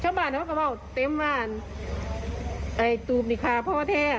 ชาวบ้านเขาก็บอกเต็มบ้านไอ้ตูบนี่ค่ะพ่อแท้